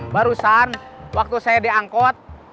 barusan waktu saya diangkut